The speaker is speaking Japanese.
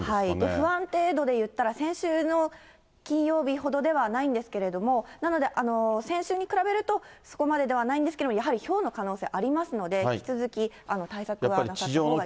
不安定度でいったら、先週の金曜日ほどではないんですけれども、なので、先週に比べるとそこまでではないんですけど、やはりひょうの可能性ありますので、引き続き対策をなさったほうが。